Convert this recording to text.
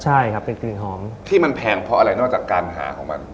ใช่ครับเป็นกลิ่นหอมที่มันแพงเพราะอะไรนอกจากการหาของมัน